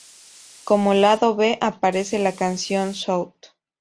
Como lado B aparece la canción "Shout!